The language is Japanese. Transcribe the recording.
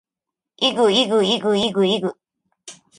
ｲｸﾞｲｸﾞｲｸﾞｲｸﾞ